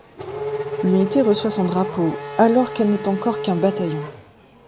L'unité reçoit son drapeau alors qu'elle n'est encore qu'un bataillon.